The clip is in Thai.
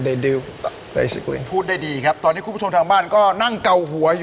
อย่าไปกลัวแล้วถามจอนกลัวคู่ต่อเสื้อคนอื่นมั้ย